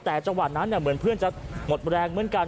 แต่จังหวะนั้นเหมือนเพื่อนจะหมดแรงเหมือนกัน